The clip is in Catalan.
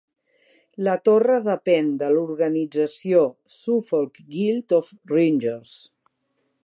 La torre depèn de l'organització Suffolk Guild of Ringers.